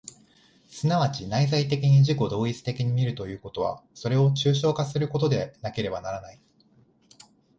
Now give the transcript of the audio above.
即ち内在的に自己同一的に見るということは、それを抽象化することでなければならない。